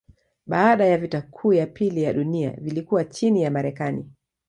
Baada ya vita kuu ya pili ya dunia vilikuwa chini ya Marekani.